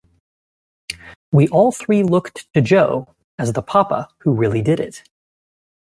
We all three looked to Jo as the 'Papa' who really did it.